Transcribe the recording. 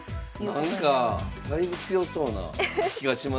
なんかだいぶ強そうな気がしますが。